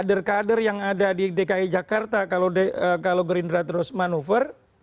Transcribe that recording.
kader kader yang ada di dki jakarta kalau gerindra terus manuver